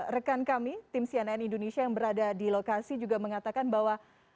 rekan kami tim cnn indonesia yang berada di lokasi juga mengatakan bahwa